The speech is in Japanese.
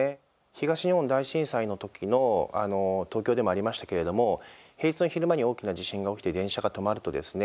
東日本大震災の時の東京でもありましたけれども平日の昼間に大きな地震が起きて電車が止まるとですね